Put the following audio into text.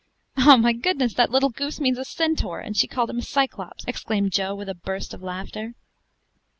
"Oh, my goodness! that little goose means a centaur, and she called him a Cyclops," exclaimed Jo, with a burst of laughter.